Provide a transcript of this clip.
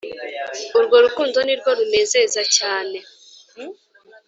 urwo rukundo nirwo runezeza cyane